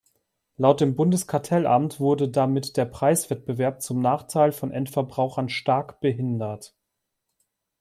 Laut dem Bundeskartellamt wurde damit der Preiswettbewerb zum Nachteil von Endverbrauchern stark behindert.